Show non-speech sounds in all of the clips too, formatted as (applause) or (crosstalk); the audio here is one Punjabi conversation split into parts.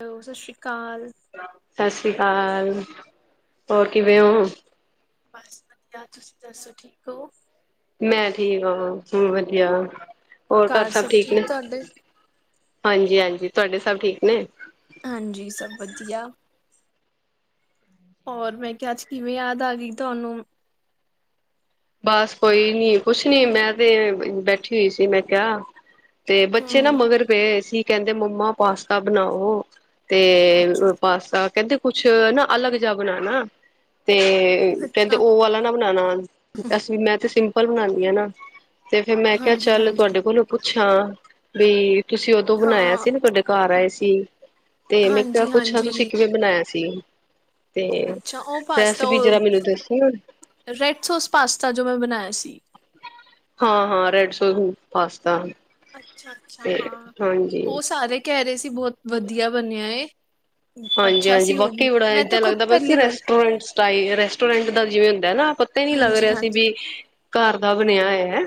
ਸਤਿ ਸ਼੍ਰੀ ਕਾਲ। ਸਤਿ ਸ਼੍ਰੀ ਅਕਾਲ। ਹੋਰ ਕਿਵੇਂ ਹੋ? ਬਸ ਵਧੀਆ ਤੁਸੀਂ ਦੱਸੋ ਠੀਕ ਹੋ ਮੈਂ ਠੀਕ ਆਾਂ ਹੋ ਵਧੀਆ ਹੋਰ ਘਰ ਸਭ ਠੀਕ ਨੇ ਹਾਂਜੀ ਹਾਂਜੀ। ਤੁਹਾਡੇ ਸਭ ਠੀਕ ਨੇ? ਹਾਂਜੀ ਸਭ ਵਧੀਆ ਹੋਰ ਮੈਂ ਕਿਹਾ ਅੱਜ ਕਿਵੇਂ ਯਾਦ ਆ ਗਈ ਤੁਹਾਨੂੰ? ਬਸ ਕੋਈ ਨੀ ਕੁਛ ਨੀ ਮੈਂ ਤੇ ਬੈਠੀ ਹੋਈ ਸੀ ਮੈਂ ਕਿਹਾ, ਤੇ ਬੱਚੇ ਨਾ ਹੂੰ ਮਗਰ ਪਏ ਹੋਏ ਸੀ। ਕਹਿੰਦੇ ਮੰਮਾ ਪਾਸਤਾ ਬਣਾਓ। ਤੇ ਅੱਛਾ ਪਾਸਤਾ ਕਹਿੰਦੇ ਕੁਛ ਨਾ ਅਲਗ ਜਾ ਬਣਾਨਾ ਤੇ ਕਹਿੰਦੇ ਅੱਛਾ ਉਹ ਵਾਲਾ ਨਾ ਬਣਾਉਣਾ। ਅਸੀਂ ਵੀ ਮੈਂ ਤੇ ਸਿੰਪਲ ਬਣਾਉਦੀ ਨਾ ਤੇ ਫੇਿਰ ਮੈਂ ਕਿਹਾ ਹਾਂਜੀ ਚੱਲ ਹਾਂਜੀ ਤੁਹਾਡੇ ਕੋਲੋਂ ਅੱਛਾ ਵੀ ਤੁਸੀਂ ਉਦੋਂ ਬਣਾਇਆ ਹਾਂ ਸੀ ਨਾ ਤੁਹਾਡੇ ਘਰ ਆਏ ਸੀ ਜੀ ਤੇ ਮੈਂ ਕਿਹਾ ਹਾਂਜੀ ਪੁੱਛਿਆ ਤੁਸੀਂ ਹਾਂਜੀ ਕਿਵੇਂ ਬਣਾਇਆ ਸੀ ਤੇ ਅੱਛਾ ਉਹ ਪਾਸ ਤਾਂ ਰੈਸਪੀ ਉਹ ਜਰਾ ਮੈਨੂੰ ਦੱਸੀ ਰੈਡ ਸੋਸ ਪਾਸਤਾ ਜੋ ਮੈਂ ਬਣਾਇਆ ਸੀ ਡ ਸੋ ਪਾਸਤਾ ਅੱਛਾ ਅੱਛਾ ਤੇ ਹਾਂ ਹਾਂਜੀ ਉਹ ਸਾਰੇ ਕਹਿ ਰਹੇ ਸੀ ਤੁਸੀਂ ਬਹੁਤ ਵਧੀਆ ਬਣਿਆ ਏ ਹਾਂਜੀ ਅੱਛਾ ਹਾਂਜੀ ਸੀ ਉਹ ਵੀ ਬਾਕੀ ਬੜਾ ਮੈਂ ਤੇ ਏਦਾਂ ਖੁਦ ਲੱਗਦਾ ਪ ਪਹਿਲੀ ਵਾਰ ਰੈਸਟੋਰੈਂਟ ਸਟਾਈ ਰੈਸਟੋਰੈਂਟ ਦਾ ਜਿਵੇਂ ਨਾ ਪਤਾ ਹੀ ਨਹੀਂੀ ਲੱਗ ਹਾਂਜੀ ਰਿਹਾ ਸੀ ਹਾਂਜੀ ਵੀ ਘਰ ਦਾ ਬਣਿਆ ਹੈ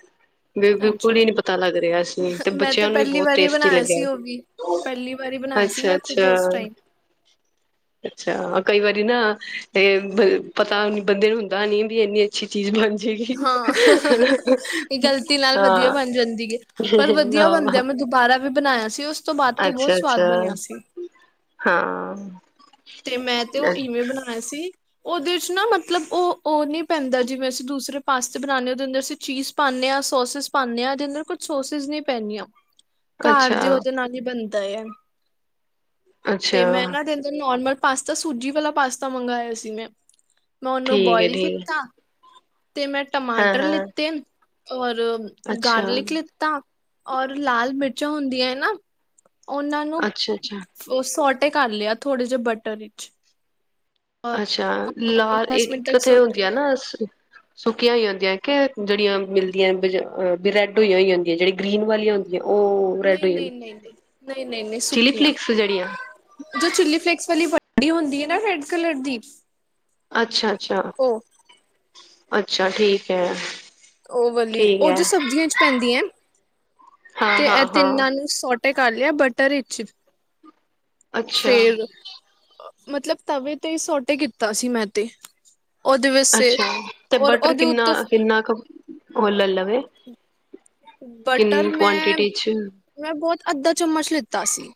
ਬਿਲਕੁਲ ਅੱਛਾ ਹੀ ਨੀ ਪਤਾ ਲੱਗ ਰਿਹਾ ਸੀ ਤੇ ਮੈਂ ਬੱਚਿਆਂ ਨੂੰ ਵੀ ਪਹਿਲੀ ਬਹੁਤ ਵਾਰੀ ਟੇਸਟੀ ਬਣਾਇਆ ਸੀ ਲੱਗਿਆ ਉਹ ਵੀ ਪਹਿਲੀ ਵਾਰੀ ਬਣਾਇਆ ਸੀ ਅੱਛਾ ਮੈਂ ਖੁਦ ਉਸ ਅੱਛਾ ਟਾਈਮ ਅੱਛਾ ਕਈ ਵਾਰੀ ਨਾ ਇਹ ਪਤਾ ਬੰਦੇ ਨੂੰ ਹੁੰਦਾ ਨੀ ਵੀ ਇੰਨੀ ਅੱਛੀ ਚੀਜ਼ ਬਣ ਜਾਏਗੀ ਹਾਂ ਇਹ ਗ਼ਲਤੀ ਨਾਲ ਵਧੀਆ ਹਾਂ ਬਣ ਜਾਂਦੀ ਹੈ ਪਰ ਵਧੀਆ ਹਾਂ ਬਣਦਿਆਂ ਮੈਂ ਦੁਬਾਰਾ ਵੀ ਬਣਾਇਆ ਸੀ ਉਸ ਤੋਂ ਬਾਅਦ ਤੇ ਬਹੁਤ ਸਵਾਦ ਬਣਿਆ ਸੀ ਹਾਂ ਹਾਂ ਤੇ ਮੈਂ ਤੇ ਉਹ ਈਵਂ ਬਣਾਇਆ ਸੀ ਉਹਦੇ ਚ ਨਾ ਮਤਲਬ ਉਹ ਉਹ ਨਹੀਂੀ ਪੈਂਦਾ ਜਿਵੇਂ ਅਸੀਂ ਦੂਸਰੇ ਪਾਸਤੇ ਬਣਾਾਨਦੇ ਹ ਉਹਦੇ ਅੰਦਰ ਅਸੀਂ ਚੀਜ਼ ਪਾਉਂਦੇ ਹਾਂ ਸੋਸਿਸ ਪਾਉਂਦੇ ਹਾਂ ਉਹਦੇ ਅੰਦਰ ਕੁਛ ਸੋਸਿਸ ਨਹੀਂੀ ਪੈਂਨਆਂ ਘਰ ਦੀ ਅੱਛਾ ਉਹਦੇ ਨਾਲ ਹੀ ਬਣਦੀ ਦਾਇਨ ਤੇ ਮੈਂ ਅੱਛਾ ਨਾ ਤਦੇ ਨੋਰਮਲ ਪਾਸਤਾ ਸੂਜੀ ਵਾਲਾ ਪਾਸਤਾ ਮੰਗਵਾਆ ਸੀ ਮੈਂ ਮੈਂ ਉਹਨੂੰ ਠੀਕ ਹੈ ਬੋਇਲ ਠੀਕ ਕੀਤਾ ਤੇ ਮੈਂ ਹਾਂ ਟਮਾਟਰ ਹਾਂ ਲਿੱਤੇ ਹੋਰ ਅੱਛਾ, ਗਾਰਲਿਕ ਲਿੱਤਾ ਔਰ ਲਾਲ ਮਿਰਚਾਂ ਹੁੰਦੀਆਂ ਨਾ ਉਹਨਾਂ ਨੂੰ ਅੱਛਾ, ਅੱਛਾ। ਸ ਕਰ ਲਿਆ ਥੋੜੇ ਜਿਹੇ ਬਟ ਟੜਜ਼ ਅੱਛਾ ਲਾਹ ਤੱਕ ਕਿਥੇ ਸੋਟੇ ਹੁੰਦੀ ਆ ਨਾ ਸੁੱਕੀਆਂ ਹੋਈ ਜਾਂਦੀਆਂ ਕਿ ਜਿਹੜੀਆਂ ਮਿਲਦੀਆਂ ਬ੍ਰੈਡ ਹੋਈਆਂ ਹੋਈ ਜਾਂਦੀਆਂ ਜਿਹੜੀ ਗ੍ਰੀਨ ਵਾਲੀਆਂ ਹੁੰਦੀਆਂ ਉਹ ਰੈਡ ਨਹੀਂ ਹੋ ਨਹੀਂ ਜਾਂਦੀ ਨਹੀਂ ਨਹੀਂ ਨਹੀਂ ਨਹੀਂ ਨਹੀਂ ਚਿਲੀ ਸੁੱਕੀਆਂ ਫਲੇਕਸ ਜਿਹੜੀਆਂ ਬੜੀ ਹੁੰਦੀ ਹੈ ਨਾ ਰੈਡ ਕਲਰ ਦੀ ਅੱਛਾ ਅੱਛਾ ਉਹ ਅੱਛਾ ਠੀਕ ਹੈ ਉਹ ਵਾਲੀ ਠੀਕ ਉਹ ਹੈ, ਜੋ ਸਬਜ਼ੀਆਂ ਚ ਪੈਂਦੀ ਹੈ ਹਾਂ, ਤੇ ਇਹ ਹਾਂ, ਹਾਂ। ਤਿੰਨਾਂ ਨੂੰ ਸੋਟ ਸੌਟੇ ਕਰ ਲਿਆ ਬਟਰ ਵਿੱਚ ਅੱਛਾ ਫੇਰ ਮਤਲਬ ਤਵੇ ਤੇ ਸੋਟੇ ਕੀਤਾ ਸੀ ਮੈਂ ਤੇ ਉਹਦੇ ਵਾਸਤੇ ਅੱਛਾ ਤੇ ਔਰ ਬਟਰ ਉਹਦੇ ਕਿੰਨਾ ਉੱਤੋਂ ਕਿੰਨਾ ਕੁ ਹੋਰ ਲੈ ਲਾ ਗੇ ਬਟਰ ਮੈਂ ਚ ਮੈਂ ਬਹੁਤ ਅੱਧਾ ਚਮਚ ਲਿੱਤਾ ਸੀ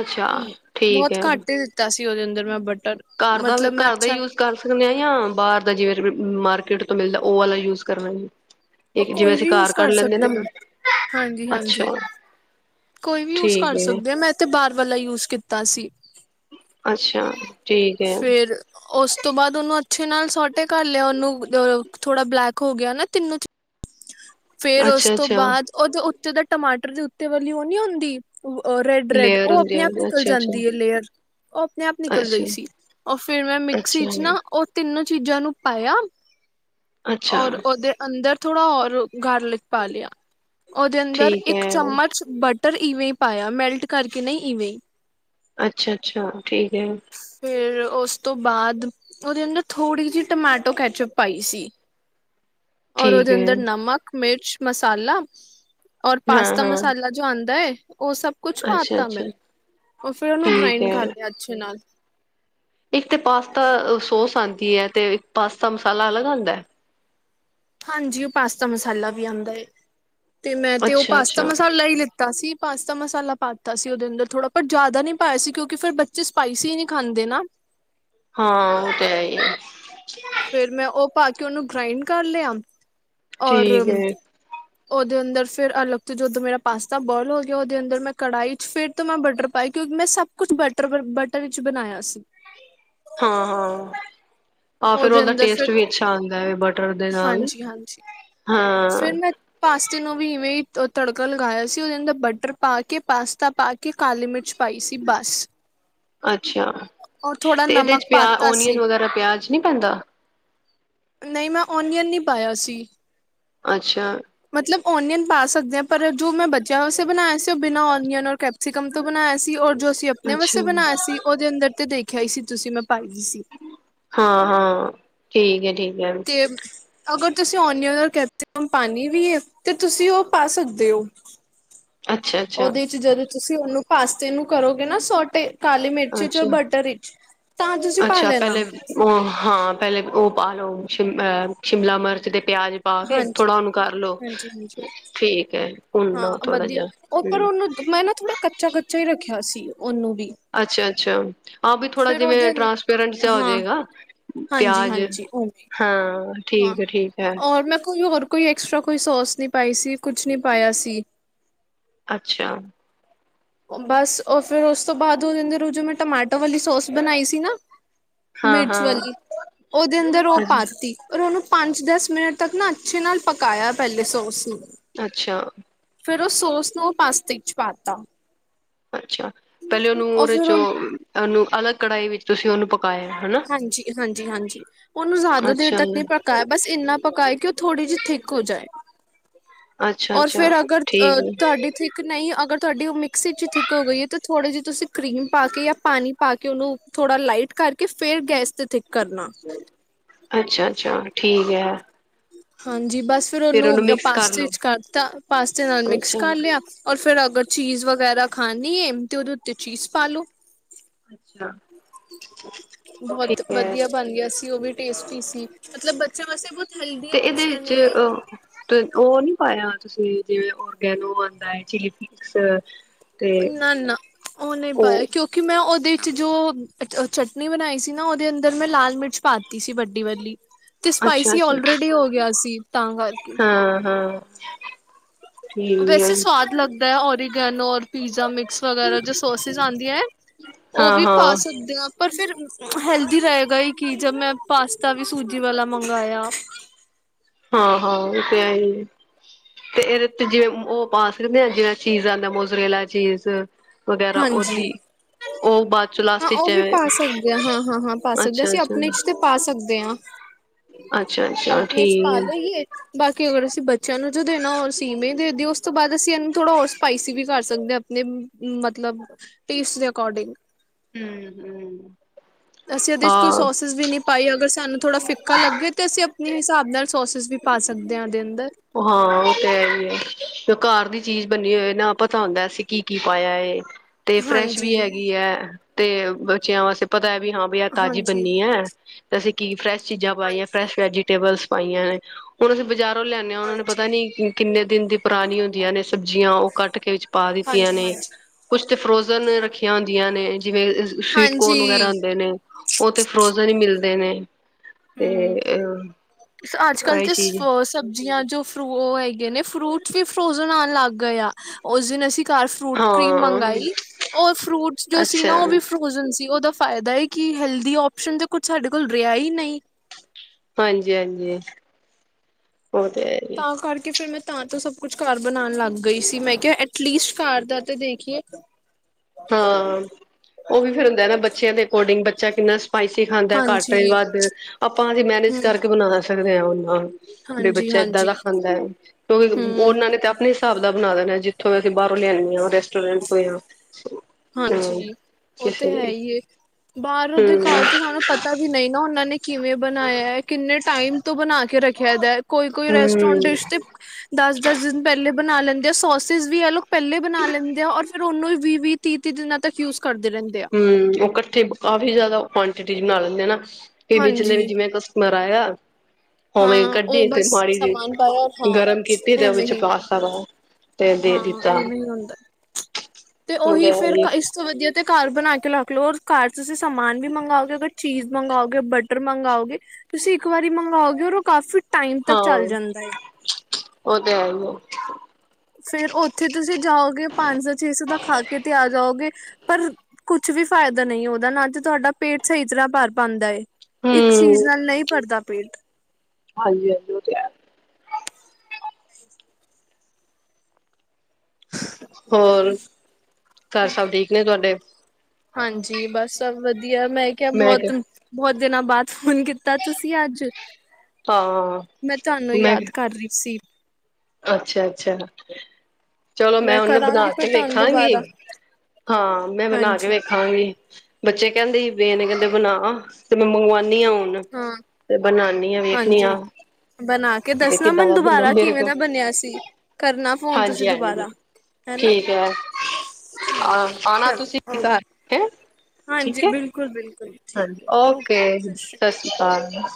ਅੱਛਾ ਠੀਕ ਬਹੁਤ ਹੈ। ਘੱਟ ਹੀ ਲਿੱਤਾ ਸੀ ਉਹਦੇ ਅੰਦਰ ਮੈਂ ਬਟਰ ਘਰ ਦਾ ਮਤਲਬ ਮੈਂ ਘਰ ਦਾ ਅੱਛਾ ਯੂਜ ਕਰ ਸਕਦੇ ਹਾਂ ਜਾਂ ਬਾਹਰ ਦਾ ਜਿਵੇਂ ਮਾਰਕੀਟ ਤੋਂ ਮਿਲਦਾ ਉਹ ਵਾਲਾ ਯੂਜ ਕਰਨਾ ਜ ਕੋਈ ਵੀ ਯੂਜ ਕਰ ਸਕਦੇ ਹ ਹਾਂਜੀ ਅੱਛਾ ਹਾਂਜੀ ਕੋਈ ਵੀ ਯੂਜ ਠੀਕ ਕਰ ਹੈ। ਸਕਦੇ ਆ ਮੈਂ ਤੇ ਬਾਹਾਰ ਵਾਲਾ ਯੂਜ ਕੀਤਾ ਕੀਤਾ ਸੀ ਅੱਛਾ ਠੀਕ ਹੈ ਫੇਰ ਉਸ ਤੋਂ ਬਾਅਦ ਉਹਨੂੰ ਅੱਛੇ ਨਾਲ ਸੋਟੇ ਕਰ ਲਿਆ ਉਹਨੂੰ ਅ ਥੋੜਾ ਬਲੈਕ ਹੋ ਗਿਆ ਨਾ ਤਿੰਨੂੰ ਫੇਰ ਉਸ ਅੱਛਾ ਤੋਂ ਅੱਛਾ ਬਾਅਦ ਉਹਦੇ ਜਦੋਂ ਟਮਾਟਰ ਦੀ ਉੱਤੇ ਵਾਲੀ ਉਹ ਨਹੀਂ ਹੁੰਦੀ ਰੈਡ ਰੈਡ ਲੇਅਰ ਉਹ ਹੁੰਦੇ ਆਪਣੇ ਆ ਆਪ ਨਿਕਲ ਅੱਛਾ ਅੱਛਾ। ਜਾਂਦੀ ਹੈ ਲੇਅਰ ਉਹ ਆਪਣੇ ਆਪ ਨਿਕਲ ਅੱਛਾ ਗਈ ਸੀ ਉਹ ਫੇਿਰ ਮੈਂ ਮਿਕਸੀ ਅੱਛਾ ਚ ਨਾ ਉਹ ਤਿੰਨ ਚੀਜ਼ਾਂ ਨੂੰ ਪਾਇਆ ਅੱਛਾ ਔਰ ਉਹਦੇ ਅੰਦਰ ਔਰ ਗਾਰਲਿਕ ਪਾ ਲਿਆ ਉਹਦੇ ਅੰਦਰ ਠੀਕ ਇੱਕ ਹੈ। ਚਮਚ ਬਟਰ ਇਵੇਂ ਹੀ ਪਾਇਆ ਮੈਲਟ ਕਰਕੇ ਨਹੀਂ ਇਵੇਂ ਅੱਛਾ ਅੱਛਾ ਠੀਕ ਹੈ ਫਿਰ ਉਸ ਤੋਂ ਬਾਅਦ ਉਹਦੇ ਅੰਦਰ ਥੋੜ੍ਹੀ ਜਿਹੀ ਟਮਾਟੋ ਕੈਚਅਪ ਪਾਈ ਸੀ ਐਰ ਠੀਕ ਉਹਦੇ ਹੈ ਅੰਦਰ ਨਮਕ ਮਿਰਚ ਮਸਾਲਾ ਔਰ ਹਾਂ ਪਾਸਤਾ ਹਾਂ ਮਸਾਲਾ ਜੋ ਆਉਂਦਾ ਹੈ ਉਹ ਸਭ ਕੁਛ ਅੱਛਾ ਪਾਤਾਾ ਮੈਂ ਅੱਛਾ। ਉਹ ਫੇਿਰ ਉਹਨੂੰ ਠੀਕ ਗ੍ਰਾਇੰਡ ਕਰ ਹੈ ਲਿਆ ਅੱਛੇ ਨਾਲ ਇੱਕ ਤੇ ਪਾਸਤਾ ਸੋਸ ਆਉਂਦੀ ਹੈ ਤੇ ਪਾਸਤਾ ਮਸਾਲਾ ਅਲੱਗ ਆਉਂਦਾ ਹਾਂਜੀ ਉਹ ਪਾਸਤਾ ਮਸਾਲਾ ਵੀ ਆਉਂਦਾ ਹੈ ਤੇ ਮੈਂ ਤੇ ਉਹ ਅੱਛਾ ਪਾਸਤਾ ਅੱਛਾ ਮਸਾਲਾ ਹੀ ਲਿੱਤਾ ਤਾ ਸੀ ਪਾਸਤਾ ਮਸਾਲਾ ਪਾਤਾ ਸੀ ਉਹਦੇ ਅੰਦਰ ਥੋੜਾ ਵੀ ਜ਼ਿਆਦਾ ਨੀ ਪਾਇਆ ਸੀ ਕਿਉਂਕਿ ਫਿਰ ਬੱਚੇ ਸਪਾਈਸੀ ਨੀ ਖਾਂਦੇ ਨਾ। ਹਾਂ ਉਹ ਤੇ ਹੈ ਹੀ ਹੈ। ਫੇਰ ਮੈਂ ਉਹ ਪਾ ਕੇ ਉਹਨੂੰ ਗ੍ਰਾਇੰਡ ਕਰ ਲਿਆ। ਔਰ, ਠੀਕ ਹੈ ਓਦੇ ਅੰਦਰ ਫਿਰ ਅਲਗ ਤੋਂ ਜਦੋਂ ਮੇਰਾ ਪਾਸਤਾ ਬੋਇਲ ਹੋ ਗਿਆ ਓਦੇ ਅੰਦਰ ਮੈਂ ਕੜਾਈ ਵਿਚ ਫਿਰ ਤੋਂ ਮੈਂ ਬਟਰ ਪਾਈ ਕਿਉਂਕਿ ਮੈਂ ਸਭ ਕੁਛ ਬਟਰ ਬਟਰ ਚ ਬਣਾਇਆ ਸੀ। ਹਾਂ-ਹਾਂ, ਆਹ ਫਿਰ ਉਹਦੇ ਉਹਦਾ ਅੰਦਰ ਟੇਸਟ ਫਿਰ ਵੀ ਅੱਛਾ ਆਦਾ ਬਟਰ ਦੇ ਨਾਲ ਹਾਂਜੀ ਹਾਂਜੀ ਹਾਂ। ਉਸ ਦਿਨ ਉਹ ਵੀ ਇਵੇਂ ਹੀ ਤੜਕਾ ਲਗਾਇਆ ਸੀ ਉਹਦੇ ਅੰਦਰ ਬਟਰ ਪਾ ਕੇ ਪਾਸਤਾ ਪਾ ਕੇ ਕਾਲੀ ਮਿਰਚ ਪਾਈ ਸੀ ਬਸ ਅੱਛਾ ਔਰ ਥੋੜਾ ਤੇ ਇਹਦੇ ਨਮਕ ਚ ਪਿਆ ਪਾਤਾ ਸੀ ਓਨੀਅਨ ਵਗੈਰਾ ਪਿਆਜ ਨੀ ਪੈਂਦਾ। ਨਹੀਂ ਮੈਂ ਓਨੀਅਨ ਨਹੀਂ ਪਾਇਆ ਸੀ। ਅੱਛਾ, ਮਤਲਬ ਓਨੀਅਨ ਪਾ ਸਕਦੇ ਹਾਂ ਪਰ ਜੋ ਮੈਂ ਬਚਿਆ ਵਾਸਤੇ ਬਣਾਇਆ ਸੀ ਉਹ ਬਿਨਾਂ ਓਨੀਅਨ ਔਰ ਕੈ ਸਿਕਮ ਤੋਂ ਬਣਾਇਆ ਸੀ ਔਰ ਜੋ ਅਸੀਂ ਆਪਣੇ ਅੱਛਾ ਵਾਸਤੇ ਬਣਾਇਆ ਸੀ ਉਹਦੇ ਅੰਦਰ ਤੇ ਦੇਖ। ਖਿਆ ਹੀ ਸੀ ਤੁਸੀਂ ਮੈਂ ਪਾਈ ਗਈ ਸੀ। ਹਾਂ-ਹਾਂ ਠੀਕ ਹੈ ਠੀਕ, ਹੈ ਤੇ ਅਗਰ ਤੁਸੀਂ ਓਨੀਓ ਕ ਪਾਨੀ ਵੀ ਤੇ ਤੁਸੀਂ ਉਹ ਪਾ ਸਕਦੇ ਹੋ। ਅੱਛਾ ਅੱਛਾ ਉਹਦੇ ਚ ਜਦੋਂ ਤੁਸੀਂ ਉਹਨੂੰ ਪਾਸਤੇ ਨੂੰ ਕਰੋਗੇ ਨਾ ਸੋਟੇ ਕਾਲੀ ਮਿਰਚ ਚ ਔਰ ਅੱਛਾ ਬਟਰ ਵਿੱਚ, ਤਾਂ ਤੁਸੀਂ ਪਾ ਅੱਛਾ ਲੈਣਾ ਪਹਿਲੇ ਉਹ ਹਾਂ ਪਹਿਲੇ ਉਹ ਪਾ ਲਓ ਸ਼ਿਮ ਅਹ ਸ਼ਿਮਲਾ ਮਿਰਚ ਦੇ ਪਿਆਜ ਪਾ ਕੇ ਹਾਂਜੀ ਥੋੜਾ ਉਹਨੂੰ ਕਰਲੋ ਹਾਂਜੀ ਹਾਂਜੀ ਠੀਕ ਹੈ ਭੁੰਨ ਹਾਂ ਲੋ ਥੋੜ੍ਹਾ ਵਧੀਆ ਜਿਹਾ ਉਹ ਪਰ ਹੂੰ, ਉਹਨੂੰ ਮੈਂ ਨਾ ਥੋੜਾ ਕੱਚਾ ਕੱਚਾ ਹੀ ਰੱਖਿਆ ਸੀ। ਉਹਨੁੰ ਵੀ, ਅੱਛਾ, ਆਹ ਵੀ ਥੋੜਾ ਫਿਰ ਜਿਵੇਂ ਉਹਦੇ ਟ੍ਰਾਂਸਪੇਰੈਂਟ ਜਿਹਾ ਹੋ ਹਾਂ ਜਾਵੇਗਾ ਹਾਂਜੀ ਪਿਆਜ ਹਾਂਜੀ ਉਵੇਂ ਹਾਂ ਹਾਂ ਠੀਕ ਹੈ ਠੀਕ ਹੈ। ਔਰ ਮੈਂ ਕੋਈ ਹੋਰ ਕੋਈ ਐਕਸਟਰਾ ਕੋਈ ਸੋਸ ਨੀ ਪਾਈ ਸੀ ਕੁਛ ਨੀ ਪਾਇਆ ਸੀ। ਅੱਛਾ, ਬਸ ਉਹ ਫੇਰ ਉਸ ਤੋਂ ਬਾਅਦ ਉਹਦੀ ਮੈਂ ਟਮਾਟੋ ਵਾਲੀ ਸੋਸ ਬਣਾਈ ਸੀ ਨਾ। ਮਿਰਚ ਹਾਂ-ਹਾਂ ਵਾਲੀ ਉਹਦੇ ਅੰਦਰ ਉਹ ਪਾਤੀ ਔਰ ਉਹਨੂੰ ਪੰਜ ਦਸ ਮਿੰਟ ਤੱਕ ਨਾ ਅੱਛੇ ਨਾਲ ਪਕਾਇਆ ਪਹਿਲੇ ਸੋਸ ਨੂੰ ਅੱਛਾ। ਫੇਰ ਉਹ ਸੋਸ ਨੂੰ ਉਹ ਪਾਸਤੇ ਚ ਪਾਤਾ। ਅੱਛਾ ਪਹਿਲੇ ਉਹਨੂੰ ਉਹਦੇ ਚ ਉਹ ਉਹਨੂੰ ਅਲੱਗ ਕੜਾਈ ਵਿੱਚ ਤੁਸੀਂ ਉਹਨੂੰ ਪ ਹਾਂਜੀ, ਹਾਂਜੀ, ਹਾਂਜੀ ਉਹਨੂੰ ਜ਼ਿਆਦਾ ਦੇਰ ਅੱਛਾ ਤੱਕ ਨਹੀਂ ਪਕਾਇਆ ਬਸ ਇੰਨਾ ਪਕਾਇਆ ਕਿ ਉਹ ਥੋੜ੍ਹੀ ਜਿਹੀ ਠੀਕ ਹੋ ਜਾਏ। ਔਰ ਅੱਛਾ-ਅੱਛਾ ਫੇਰ ਅਗਰ ਠੀਕ ਅਹ ਹੈ ਤੁਹਾਡੀੇ ਥੀਕ ਨਹੀਂ ਅਗਰ ਤੁਹਾਡੀ ਉਹ ਮਿਕਸੀ 'ਚ ਹੀ ਥਿੱਕ ਹੋ ਗਈ ਹੈ, ਤੇ ਥੋੜ੍ਹੇ ਜਿਹੇ ਤੁਸੀਂ ਕਰੀਮ ਪਾ ਕੇ ਜਾਂ ਪਾਣੀ ਪਾ ਕੇ ਉਹਨੂੰ ਥੋੜ੍ਹਾ ਲਾਈਟ ਕਰਕੇ ਫਿਰ ਗੈਸ 'ਤੇ ਥਿੱਕ ਕਰਨਾ। ਅੱਛਾ, ਅੱਛਾ ਠੀਕ ਹੈ। ਹਾਂਜੀ। ਬਸ ਫੇਰ ਫਿਰ ਉਹਨੂੰ ਮਿਕਸ ਕਰ ਪਾਸਤੇ ਲੋ ਚ ਕਾਰ ਤਾ ਪਾਸਤੇ ਨਾਲ ਮਿਕਸ ਕਰ ਅੱਛਾ-ਅੱਛਾ ਲਿਆ ਔਰ ਫੇਰ ਅਗਰ ਚੀਜ਼ ਵਗੈਰਾ ਖਾਣੀ ਏ ਤੇ ਉਹਦੇ ਉੱਤੇ ਚੀਜ਼ ਪਾਲੋੋ। ਅੱਛਾ। ਬਤ ਵਧੀਆ ਬਣ ਗਿਆ ਸੀ, ਉਹ ਵੀ ਟੇਸਟੀ ਸੀ ਮਤਲਬ ਬੱਚਿਆਂ ਵਾਸਤੇ ਬੌਤ ਹੈਲਦੀ ਤੇ ਇਹਦੇ ਓਪਸ਼ਨ ਵਿੱਚ ਏ ਅ ਤੇ ਉਹ ਨੀ ਪਾਇਆ ਤੁਸੀਂ ਜਿਵੇਂ ਓਰਗੈਨੋ ਆਉਂਦਾ ਹੈ, ਚਿਲੀ ਫਲੇਕਸ ਨਾ, ਨਾ ਉਹ ਨਹੀਂ ਪਾਇਆ ਕਿਉਂਕਿ ਮੈਂ ਉਹਦੇ ਜੋ ਚਟਨੀ ਬਣਾਈ ਸੀ ਨਾ, ਉਹਦੇ ਅੰਦਰ ਮੈਂ ਲਾਲ ਮਿਰਚ ਪਾਤੀ ਸੀ ਵੱਡੀ ਵਾਲੀ ਤੇ ਅੱਛਾ ਸਪਾਈਸੀ ਅੱਛਾ ਆਲਰੇਡੀ ਹੋ ਗਿਆ ਸੀ। ਤਾਂ ਕਰਕੇ ਹਾਂ (inaudible) ਠੀਕ ਹੈ ਵੈਸੇ ਸਵਾਦ ਲੱਗਦਾ ਹੈ। ਔਰ ਗੇਨੋ ਰ ਪੀਜ਼ਾ ਮਿਕਸ ਵਗੈਰਾ ਜੋ ਸੋਸਿਸ ਆਉਂਦੀਆਂ ਹੈ, ਉਹ ਹਾਂ ਵੀ ਪਾ ਹਾਂ ਸਕਦੇ ਆਾਂ ਪਰ ਫਿਰ ਹੈਲਦੀ ਰਹੇਗਾ ਹੀ ਕਿ ਜਬ ਮੈਂ ਪਾਸਤਾ ਵੀ ਸੂਜੀ ਵਾਲਾ ਮੰਗਾਇਆ ਹਾਂ, ਹਾਂ ਤੇ ਆਹੀ ਤੇ ਇਹਦੇ ਤੇ ਜਿਵੇਂ ਉਹ ਪਾ ਸਕਦੇ ਆ ਜਿਵੇਂ ਚੀਜ਼ ਆਉਂਦਾ ਮੋਸਰੇਲਾ ਚੀਜ਼ ਵਗੈਰਾ ਹਾਂਜੀ, ਉਹਦੀ ਉਹ ਬਾਅਦ ਚੋਂ ਹਾਂ ਲਾਸਟ ਉਹ ਵਿੱਚ ਵੀ ਪਾ ਸਕਦੇ ਆ ਹਾਂ, ਹਾਂ, ਹਾਂ ਪਾ ਸਕਦੇ ਅੱਛਾ ਅਸੀਂ ਅੱਛਾ ਆਪਣੇ ਚ ਤੇ ਪਾ ਸਕਦੇ ਹਾਂ ਅੱਛਾ, ਅੱਛਾ ਆਪਣੇ ਚ ਠੀਕ ਪਾ ਆ ਲਈਏ ਬਾਕੀ ਔਰ ਅਸੀਂ ਬੱਚਿਆਂ ਨੂੰ ਜੋ ਦੇ ਨਾ ਹੋ ਸੀੇ ਦੇ ਦਿਓ ਉਸ ਤੋਂ ਬਾਅਦ ਅਸੀਂ ਐਨੂੰ ਥੋੜਾ ਹੋਰ ਸਪਾਈਸੀ ਵੀ ਕਰ ਸਕਦੇ ਹ ਆਪਣੇ ਮਤ ਮਤਲਬ ਪੀਸ ਦੇ ਅਕੋਰਡਿੰਗ ਹਮ, ਹਮ ਅਸੀਂ ਇਹਦੇ ਚ ਕੋਈ ਹਾਂ ਸੋਸਿਸ ਵੀ ਨਹੀ ਪਾਈ ਅਗਰ ਸਾਨੂੰ ਥੋੜਾ ਫਿੱਕਾ ਲੱਗੇ ਤੇ ਅਸੀਂ ਆਪਣੇ ਹਿਸਾਬ ਨਾਲ ਸੋਸਿਸ ਵੀ ਪਾ ਸਕਦੇ ਹਾਂ ਇਹਦੇ ਅੰਦਰ ਹਾਂ ਉਹ ਤੇ ਹੈ ਹੀ ਹੈ ਤੇ ਉਹ ਘਰ ਦੀ ਚੀਜ਼ ਬੰਨੀ ਹੋਏ ਨਾ ਪਤਾ ਹੁੰਦਾ ਅਸੀਂ ਕੀ ਕੀ ਪਾਇਆ ਇਹ ਤੇ ਫਰੈਸ਼ ਵੀ ਹਾਂਜੀ ਹੈਗੀ ਹੈ ਤੇ ਬੱਚਿਆਂ ਵਾਸਤੇ ਪਤਾ ਹੈ ਵੀ ਹਾਂ ਆਹ ਤਾਜ਼ੀ ਹਾਂਜੀ ਬਣਨੀ ਹੈ ਤੇ ਅਸੀਂ ਕੀ ਫਰੈਸ਼, ਚੀਜ਼ਾਂ ਪਾਈਏ ਹਾਂਜੀ ਫੈਸ਼ ਵੈਜੀਟੇਬਲਸ, ਪਾਈਆਂ ਨੇ, ਹੁਣ ਅਸੀਂ ਬਾਜ਼ਾਰ ਲਿਆਨੇ ਆ ਉਹਨਾਂ ਨੂੰ ਹਾਂਜੀ, ਪਤਾ ਨੀ ਕਿੰਨੇ ਦਿਨ ਦੀ ਪੁਰਾਣੀ ਹੁੰਦੀਆਂ ਨੇ ਸਬਜ਼ੀਆਂ ਉਹ ਕੱਟ ਕੇ ਵਿੱਚ ਪਾ ਦਿੱਤੀਆਂ ਹਾਂਜੀ, ਨੇ ਹਾਂਜੀ। ਕੁਛ (unintelligible) ਜਿਵੇਂ ਸਵੀਟ ਕੋਰਨ ਵਗੈਰਾ ਹਾਂਜੀ। ਹੁੰਦੇ ਨੇ ਉਹ ਤੇ ਫਰੋਜਨ ਹੀ ਮਿਲਦਾ। ਦੇ ਨੇ, ਤੇ, ਕੱਲ ਅ ਇਹ ਤੇ ਚੀਜ਼ ਸਭ ਬੀਆਂ ਜੋ ਫਰੂ ਉਹ ਹੈਗੇ ਨੇ ਫਰੂਟ ਵੀ ਫਰੋਜਨ ਆਣ ਲੱਗ ਗਏ ਆ ਉਸ ਦਿਨ ਅਸੀਂ ਘਰ ਫਰੂਟ ਕਰੀਮ ਹਾਂ ਮੰਗਾਈ ਉਹ ਫਰੂਟ ਜੋ ਸੀ ਨਾ ਅੱਛਾ ਉਹ ਵੀ ਫਰੋਜਨ ਸੀ ਉਹਦਾ ਫਾਇਦਾ ਹੈਏ ਕਿ ਹੈਲਦੀ ਆਪਓਸ਼ਨ ਤਾਂ ਕੁਛ ਸਾਡੇ ਕੋਲ ਰਿਹਾ ਹੀ ਨਹੀਂ, ਹਾਂਜੀ-ਹਾਂਜੀ, ਤਾਂ ਕਰਕੇ ਫੇਰ ਮੈਂ ਤਾਂ-ਤਾਂ ਸਭ ਕੁਛ ਘਰ ਬਣਾਣ ਲੱਗ ਗਈ ਸੀ ਮੈਂ ਕਿਹਾ ਐਟਲੀਸਟ ਘਰ ਦਾ ਤੇ ਦੇਖੀਏ। ਹਾਂ ਉਹ ਵੀ ਫੇਰ ਹੁੰਦਾ ਨਾ ਬੱਚਿਆਂ ਦੇ ਅਕੋਰਡਿੰਗ ਚ ਨ ਸਪਾਈਸੀ ਖਾਂਦਾ ਘੱਟ ਹਾਂਜੀ, ਵੱਧ ਆਪਾਂ ਅਸੀਂ ਮੈਨੇਜ ਹੂੰ, ਕਰਕੇ ਬਣਾਣਾ। ਆ (unintelligible) ਵੀ ਹਾਂਜੀ, ਬੱਚਾ ਇਦਾਂ ਦਾ ਹਾਂਜੀ, ਖਾਂਦਾ ਹੈ ਕਿਉਂਕਿ ਹੂੰ। ਉਹਨਾਂ ਨੇ ਤਾਂ ਆਪਣੇ ਹਿਸਾਬ ਬਣਾ ਦੇਣਾ ਜਿੱਥੋਂ, ਬਾਹਰੋਂ ਲਿਆਦੇ ਆ ਰੈਸਟੋਰੈਂਟ, ਹੋਇਆ, ਹਾਂਜੀ ਉਹ ਤੇ ਹੈ ਹੀ ਬਾਹਰ ਦੇ ਹਮ ਘਰ ਤੇ ਸਾਨੂੰ ਪਤਾ ਵੀ ਨਹੀਂ ਨਾ ਉਹਨਾਂ ਨੇ ਕਿਵੇਂ ਬਣਾਇਆ ਕਿੰਨੇ ਟਾਈਮ ਤੋਂ ਬਣਾ। ਕੇ ਰੱਖਿਆ ਜਾ ਕੋਈ ਕੋਈ ਹਮ ਰੈਸਟੋਰੈਂਟ ਡਿਸ਼ ਤੇ ਦਸ-ਦਸ ਦਿਨ ਪਹਿਲੇ, ਬਣਾ ਲੈਂਦੇ ਆ ਸੋਸਿਸ ਵੀ ਆ ਲੋਕ ਪਹਿਲੇ ਬਣਾ ਲੈਂਦੇ ਆ ਔਰ ਫਿਰ ਉਹਨੂੰ ਹੀ ਵੀਹ ਤੀਹ-ਤੀਹ ਦਿਨਾਂ ਤੱਕ ਯੂਜ ਕਰਦੇ ਰਹਿੰਦੇ ਆ ਹੂੰ ਉਹ ਇਕੱਠੇ ਕਾਫੀ ਜ਼ਿਆਦਾ, ਕੁਆਂਟਿਟੀਜ਼ ਬਣਾ ਲੈਂਦੇ ਨਾ, ਵੀ ਵਿਚਲੇ ਵੀ ਹਾਂਜੀ ਜਿਵੇਂ ਕ ਪਾਏਗਾ, ਉਵੇਂ ਹਾਂ ਉਹ ਕੱਢੀ ਤੇ ਬਸ ਮਾੜੀ ਜੀ ਸਮਾਨ ਪਾਇਆ ਹਾਂ ਗਰਮ ਕੀਤੀ ਤੇ ਉਹ ਐਵੇਂ ਵਿੱਚ ਹੀ ਪਾਸਤਾ ਪਾਓ। ਹਾਂ ਇਵੇਂ ਹੀ ਹੁੰਦਾ ਤੇ ਉਹ ਉਹੀ ਹੈ ਫੇਰ ਹੀ ਇਸ ਤੋਂ ਵਧੀਆ, ਤੇ ਘਰ ਬਣਾ ਕੇ ਰੱਖ ਲਓ ਔਰ ਘਰ, ਤੁਸੀਂ ਸਮਾਨ ਵੀ ਮੰਗਓਗੇ ਅਗਰ, ਚੀਜ਼ ਮੰਗਓਗੇ ਬਟਰ ਮੰਗਓਗੇ ਤੁਸੀਂ ਇੱਕ ਵਾਰੀ ਮੰਗਵਾਓਗੇ ਔਰ ਉਹ ਕਾਫੀ ਟਾਈਮ ਤੱਕ ਹਾਂ ਚੱਲ ਜਾਂਦਾ ਹੈ। ਉਹ ਤਾਂ ਹੈ ਹੀ ਐ। ਫੇਰ ਉੱਥੇ ਤੁਸੀਂ ਜਾਓਗੇ ਪੰਜ ਸੌ ਛੇ ਸੌ ਦਾ ਖਾ ਕੇ ਤੇ ਆ ਜਾਓਗੇ। ਪਰ ਕੁਛ ਵੀ ਫਾਇਦਾ ਨਹੀਂ ਉਹਦਾ ਨਾ ਤੇ ਤੁਹਾਡਾ ਪੇਟ ਸਹੀ ਤਰ੍ਹਾਂ ਭਰ ਪਾਦਾ ਐ। ਇੱਕ ਚੀਜ਼ ਨਾਲ ਨਹੀਂ ਭਰਦਾ, ਪੇਟ, ਹਾਂਜੀ-ਹਾਂਜੀ ਉਹ ਤੇ ਹੈ, ਹੋਰ ਘਰ ਸਭ ਠੀਕ ਨੇ ਤੁਹਾਡੇ? ਹਾਂਜੀ ਬਸ ਵਧੀਆ, ਵਧੀਆ ਮੈਂ ਕਿਹਾ ਬਹੁਤ-ਬਹੁਤ, ਦਿਨਾਂ ਬਾਅਦ, ਫੋਨ ਕੀਤਾ ਤੁਸੀਂ ਅੱਜ ਹਾਂ ਮੈਂ ਤੁਹਾਨੂੰ ਯਾਦ ਕਰ ਰਹੀ ਸੀ। ਅੱਛਾ-ਅੱਛਾ, ਚਲੋ ਮੈਂ ਉਹਨੂੰ ਕਰਾਂਗੀ ਬਣਾ ਕੇ ਫਿਰ ਤੁਹਾਨੂੰ ਵੇਖਾਂਗੀ ਦੁਬਾਰਾ ਹਾਂ ਮੈਂ ਬਣਾ ਕੇ ਹਾਂਜੀ ਵੇਖਾਂਗੀ ਬੱਚੇ ਕਹਿੰਦੀ। ਇਹ ਨੇ ਕਹਿੰਦੇ ਬਣਾ ਤੇ ਮੈਂ ਮੰਗਵਾ। ਹੁਣ ਹਾਂ ਤੇ ਬਣਾਣੀ ਆ ਵੇਖਣੀ ਹਾਂਜੀ ਆ ਤੇ ਕਿੱਦਾਂ ਦਾ ਬਣਦਾ ਮੇਰੇ ਕੋਲ ਸੀਂ ਕਰਨਾ ਫੋਨ ਤੁਸੀਂ ਹਾਂਜੀ ਹਾਂਜੀ ਦੁਬਾਰਾ ਹਨਾ ਠੀਕ ਹੈ ਠੀਕ ਆਣਾ ਚਲ ਤੁਸੀਂ ਔ, ਘਰ ਹਾਂਜੀ, ਠੀਕ ਹੈ, ਬਿਲਕੁਲ ਬਿਲ ਹਾਂਜੀ ਓਕੇ ਸਤਿ ਸ੍ਰੀ ਅਕਾਲ,